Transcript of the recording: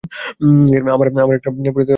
আমরা একটা পরিত্যাক্ত বার্গার ক্রাউনে হ্যাঁ।